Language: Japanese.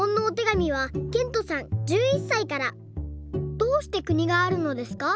「どうして国があるのですか？